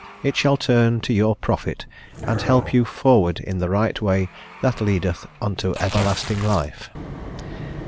it shall turn to your profit, and help you forward in the right way that leadeth unto everlasting life."